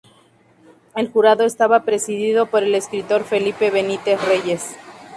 El jurado estaba presidido por el escritor Felipe Benítez Reyes.